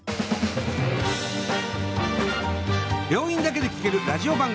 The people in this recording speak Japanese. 病院だけで聞けるラジオ番組。